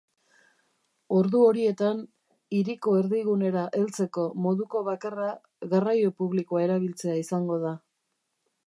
Ordu horietan, hiriko erdigunera heltzeko moduko bakarra garraio publikoa erabiltzea izango da.